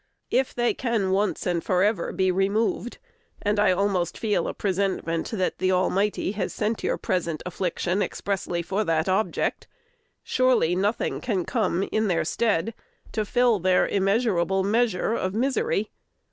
If they can once and forever be removed (and I almost feel a presentiment that the Almighty has sent your present affliction expressly for that object), surely, nothing can come in their stead to fill their immeasurable measure of misery.